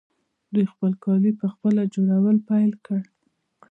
دوی خپل کالي پخپله جوړول پیل کړل.